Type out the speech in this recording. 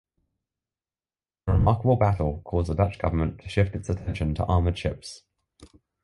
The remarkable battle caused the Dutch government to shift its attention to armored ships.